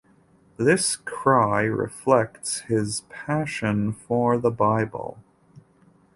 This cry reflects his passion for the Bible.